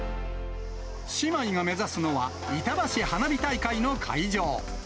姉妹が目指すのは、いたばし花火大会の会場。